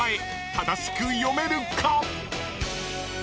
正しく読めるか⁉］